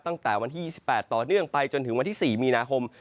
ตั้งแต่วันที่๒๘ต่อเนื่องไปจนถึงวันที่๔มีนาคม